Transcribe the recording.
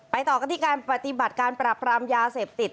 ต่อกันที่การปฏิบัติการปราบรามยาเสพติด